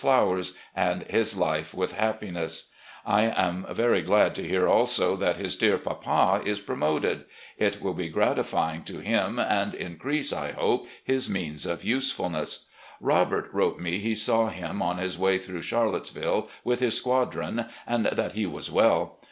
LETTERS TO WIFE AND DAUGHTERS 6i very glad to hear also that his dear papa is promoted. It will be gratifying to him and increase, I hope, his means of usefulness. Robert wrote me he saw him on his way through Charlottesville with his squadron, and that he was well.